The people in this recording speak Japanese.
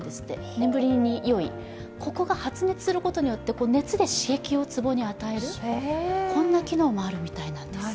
眠りによい、ここが発熱することによって、熱で刺激をツボに与える、こんな機能もあるみたいなんです。